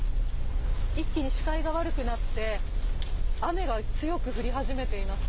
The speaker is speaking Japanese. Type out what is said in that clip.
一気に視界が悪くなって、雨が強く降り始めています。